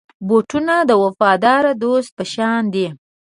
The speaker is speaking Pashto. بوټونه د وفادار دوست په شان دي.